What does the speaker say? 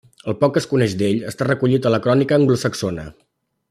El poc que es coneix d'ell està recollit en la Crònica anglosaxona.